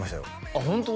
あっホント？